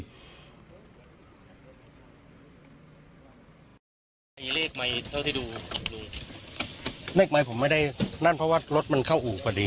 มีเลขไหมเท่าที่ดูเลขไมค์ผมไม่ได้นั่นเพราะว่ารถมันเข้าอู่พอดี